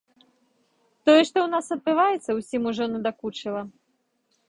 Тое, што ў нас адбываецца, усім ужо надакучыла.